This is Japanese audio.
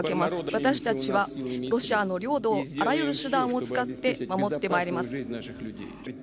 私たちはロシアの領土をあらゆる手段を使って守ってまいります。